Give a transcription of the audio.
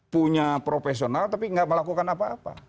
punya profesional tapi tidak melakukan apa apa